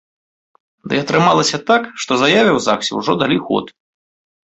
Ды атрымалася так, што заяве ў загсе ўжо далі ход.